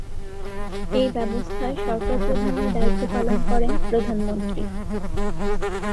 এই ব্যবস্থায় সরকার প্রধানের দায়িত্ব পালন করেন প্রধান মন্ত্রী।